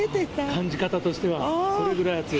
感じ方としてはそれぐらい暑い？